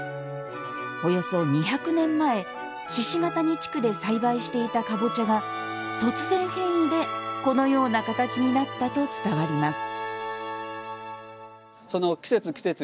およそ２００年前、鹿ケ谷地区で栽培していたかぼちゃが突然変異で、このような形になったと伝わります。